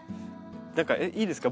何かいいですか？